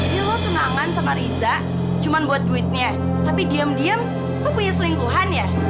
iya lo senangan sama riza cuman buat duitnya tapi diam diam lo punya selingkuhan ya